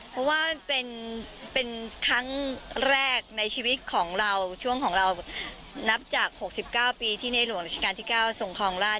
เพราะว่าเป็นครั้งแรกในชีวิตของเราช่วงของเรานับจาก๖๙ปีที่ในหลวงราชการที่๙ทรงครองราช